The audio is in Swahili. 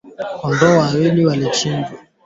Atuna na ruusa ya ku uzisha ile kiwanza yake